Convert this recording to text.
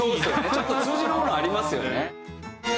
ちょっと通じるものありますよね。